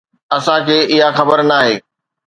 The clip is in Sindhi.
اسان کي اها خبر ناهي.